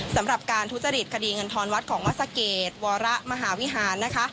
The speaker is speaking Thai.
สำหรับการทุจริตคดีเงินทอนวัดของวัดสะเกดวรมหาวิหารนะคะ